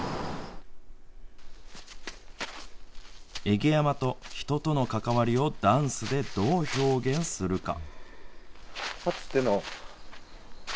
会下山と人との関わりをダンスでどう表現するか。